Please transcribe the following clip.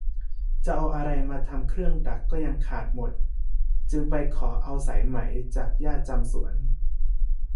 เอาอะไรมาทำเครื่องดักก็ยังขาดหมด จึงไปขอเอาสายไหม จากย่าจำสวน